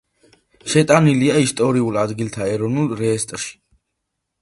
შეტანილია ისტორიულ ადგილთა ეროვნულ რეესტრში.